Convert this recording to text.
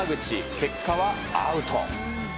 結果はアウト。